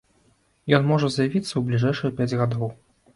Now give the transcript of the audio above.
Ён можа з'явіцца ў бліжэйшыя пяць гадоў.